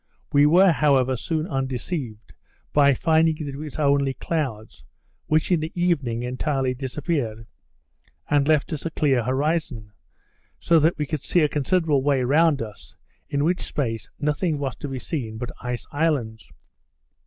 We were, however, soon undeceived, by finding that it was only clouds; which, in the evening, entirely disappeared, and left us a clear horizon, so that we could see a considerable way round us; in which space nothing was to be seen but ice islands.